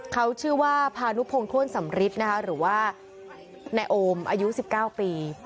เขาชื่อว่าพานุพงศ์ท่วนสำฤิษฐ์หรือว่าแนโอมอายุ๑๙ปี